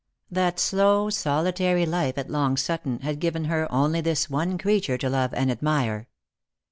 That slow solitary life at Long Sutton had given her only this one creature to love and admire.